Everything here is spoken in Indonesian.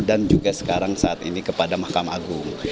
dan juga sekarang saat ini kepada mahkamah agung